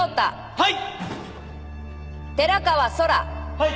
はい。